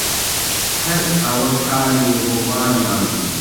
هەر ئەوەکانی ڕۆمانیا بوون.